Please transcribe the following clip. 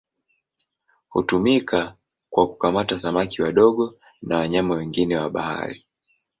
Hutumika kwa kukamata samaki wadogo na wanyama wengine wa bahari.